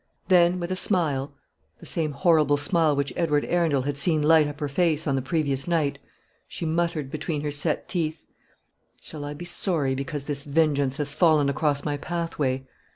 Then, with a smile, the same horrible smile which Edward Arundel had seen light up her face on the previous night, she muttered between her set teeth: "Shall I be sorry because this vengeance has fallen across my pathway?